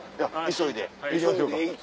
急いで。